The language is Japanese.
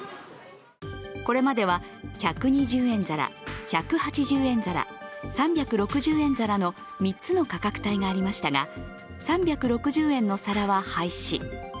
これまでは１２０円皿、１８０円皿３６０円皿の３つの価格帯がありましたが、３６０円の皿は廃止。